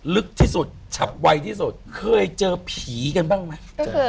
ลึกที่สุดฉับไวที่สุดเคยเจอผีกันบ้างไหม